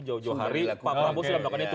jauh jauh hari pak prabowo sudah melakukan itu